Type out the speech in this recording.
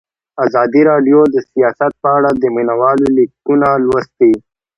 ازادي راډیو د سیاست په اړه د مینه والو لیکونه لوستي.